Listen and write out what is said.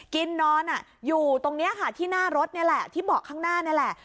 กินนอนอยู่ตรงนี้ค่ะที่หน้ารถนี่แหละที่เบาะข้างหน้านี่แหละ